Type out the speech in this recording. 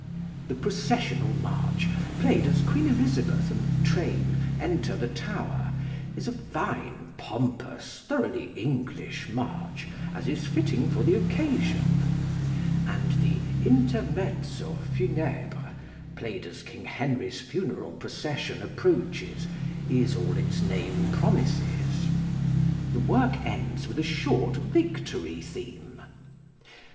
The processional march, played as Queen Elizabeth and train enter the Tower, is a fine, pompous, thoroughly English march, as is fitting for the occasion; and the "Intermezzo Funèbre," played as King Henry's funeral procession approaches, is all its name promises. The work ends with a short "Victory theme."